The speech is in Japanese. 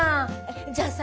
じゃあさ